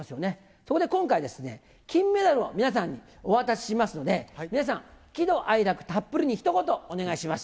そこで今回ですね、金メダルを皆さんにお渡ししますので、皆さん、喜怒哀楽たっぷりにひと言お願いします。